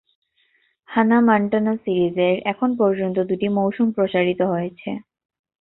হানা মন্টানা সিরিজের এখন পর্যন্ত দুটি মৌসুম প্রচারিত হয়েছে।